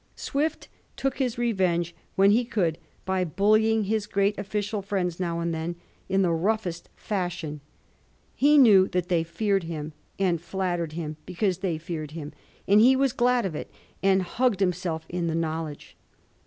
Swift took his revenge when he could by bullying his great official fiiends now and then in the roughest fashion. He knew that they feared him, and flattered him because they feared him, and he was glad of it, and hugged himself in the knowledge.